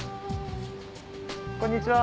こんにちは！